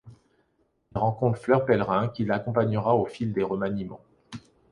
Il rencontre Fleur Pellerin qu'il accompagnera au fil des remaniements.